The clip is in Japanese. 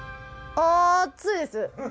あ熱いです。